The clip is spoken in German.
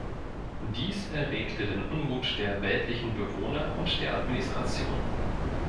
Dies erregte den Unmut der weltlichen Bewohner und der Administration.